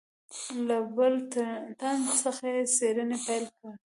له بل تن څخه یې څېړنې پیل کړې.